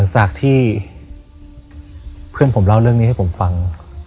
จากที่เพื่อนผมเล่าเรื่องนี้ให้ผมฟัง